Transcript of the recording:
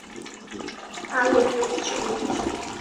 আগুনের উৎস, বুঝেছি।